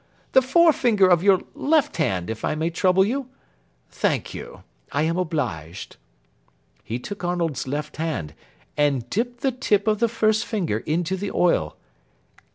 The forefinger of your left hand, if I may trouble you. Thank you. I am obliged." He took Arnold's left hand, and dipped the tip of the first finger into the oil.